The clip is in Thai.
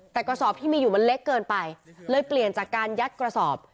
แต่กระสอบที่มีอยู่มันเล็กเกินไปเลยเปลี่ยนจากการยัดกระสอบ